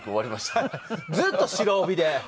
ずっと白帯で。